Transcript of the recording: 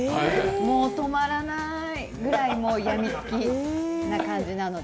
もう止まらないぐらいもう病みつきな感じなので。